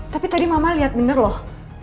tapi tadi mama lihat bener loh